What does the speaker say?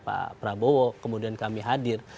pak prabowo kemudian kami hadir